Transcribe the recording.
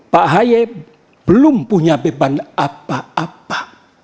pak haye belum punya beban apa apa